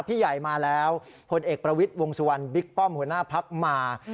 พี่ใหญ่มาแล้วพลเอกประวิทย์วงสุวรรณบิ๊กป้อมหัวหน้าพักมา